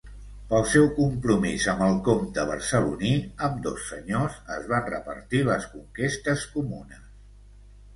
Pel seu compromís amb el comte barceloní, ambdós senyors es van repartir les conquestes comunes.